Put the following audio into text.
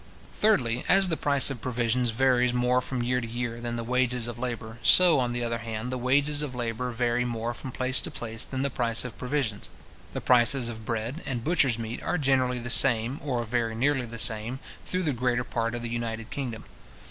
Thirdly, as the price of provisions varies more from year to year than the wages of labour, so, on the other hand, the wages of labour vary more from place to place than the price of provisions. The prices of bread and butchers' meat are generally the same, or very nearly the same, through the greater part of the united kingdom.